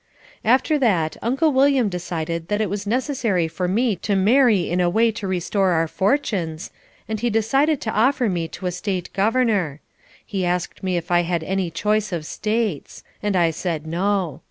After that Uncle William decided that it was necessary for me to marry in a way to restore our fortunes and he decided to offer me to a State Governor. He asked me if I had any choice of States, and I said no.